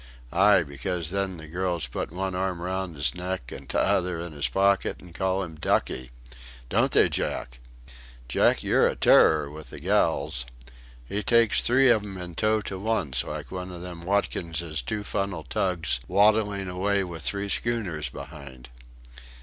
"Aye, because then the girls put one arm round his neck an' t'other in his pocket, and call him ducky. Don't they, Jack?" "Jack, you're a terror with the gals." "He takes three of 'em in tow to once, like one of 'em Watkinses two funnel tugs waddling away with three schooners behind."